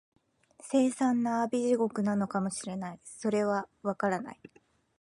凄惨な阿鼻地獄なのかも知れない、それは、わからない